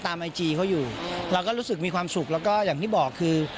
ไอจีเขาอยู่เราก็รู้สึกมีความสุขแล้วก็อย่างที่บอกคือ